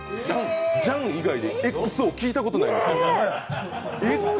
ジャン以外でＸＯ聞いたことない。